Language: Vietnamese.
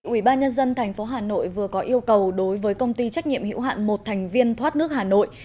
ubnd tp hà nội vừa có yêu cầu đối với công ty trách nhiệm hữu hạn một thành viên thoát nước hà nội